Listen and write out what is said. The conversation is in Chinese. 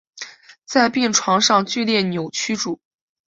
在病床上剧烈扭曲著